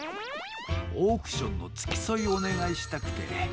オークションのつきそいおねがいしたくてね。